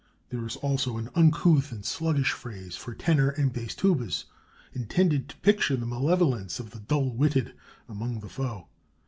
There is also an uncouth and sluggish phrase for tenor and bass tubas, intended to picture the malevolence of the dull witted among the foe.